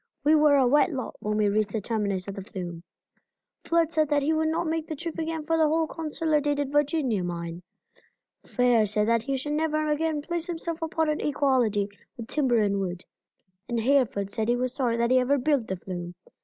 We were a wet lot when we reached the terminus of the flume. Flood said that he would not make the trip again for the whole Consolidated Virginia mine. Fair said that he should never again place himself upon an equality with timber and wood, and Hereford said he was sorry that he ever built the flume.